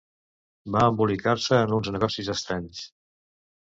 Va embolicar-se en uns negocis estranys.